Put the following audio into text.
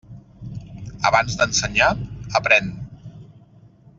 Abans d'ensenyar, aprén.